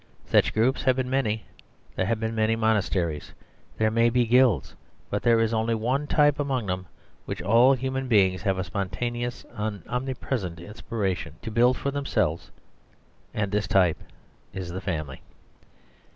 Such groups have been many; there have been monasteries; there may be guilds; but there is only one type among them which all human beings have a spontaneous and om nipresent inspiration to build for themselves; and this type is the family.